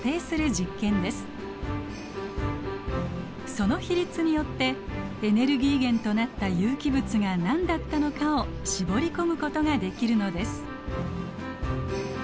その比率によってエネルギー源となった有機物が何だったのかを絞り込むことができるのです。